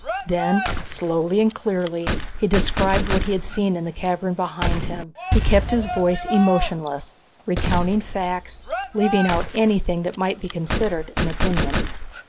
Then slowly and clearly, he described what he had seen in the cavern behind him. He kept his voice emotionless, recounting facts, leaving out anything that might be considered an opinion.